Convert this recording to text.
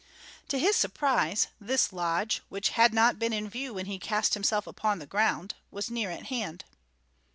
To his surprise this lodge, which had not been in view when he cast himself upon the ground, was now near at hand.